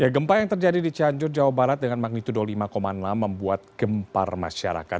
gempa yang terjadi di cianjur jawa barat dengan magnitudo lima enam membuat gempar masyarakat